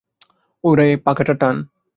ওরে পাখাটা টান।